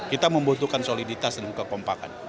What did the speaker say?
kita membutuhkan soliditas dan kekompakan